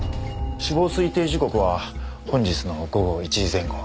死亡推定時刻は本日の午後１時前後。